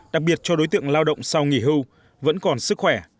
đặc biệt cho đối tượng lao động sau nghỉ hưu vẫn còn sức khỏe